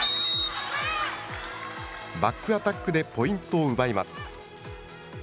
バックアタックでポイントを奪います。